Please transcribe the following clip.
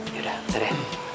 ya udah bentar ya